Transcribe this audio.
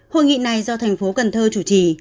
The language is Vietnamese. hội nghị này do thành phố cần thơ chủ trì